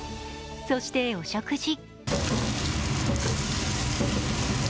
そしてお食事。